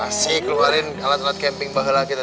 asik keluarin alat alat camping bahala kita